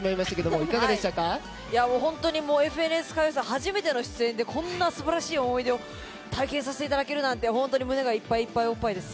初めての出演でこんな素晴らしい思い出を体験させていただけるなんて胸がいっぱいいっぱいおっぱいです。